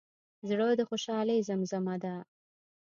زړه د خوشحالۍ زیمزمه ده.